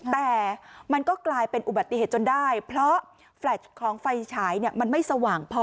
แต่มันก็กลายเป็นอุบัติเหตุจนได้เพราะแฟลชของไฟฉายมันไม่สว่างพอ